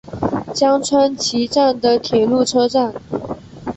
江川崎站的铁路车站。